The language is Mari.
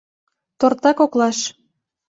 Торта коклаш.